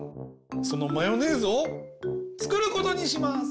そのマヨネーズをつくることにします！